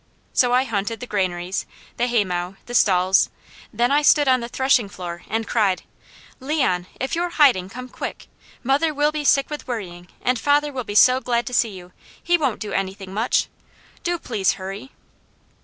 So I hunted the granaries, the haymow, the stalls, then I stood on the threshing floor and cried: "Leon! If you're hiding come quick! Mother will be sick with worrying and father will be so glad to see you, he won't do anything much. Do please hurry!"